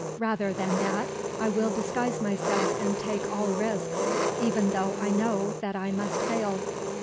"Rather than that, I will disguise myself and take all risks, even though I know that I must fail."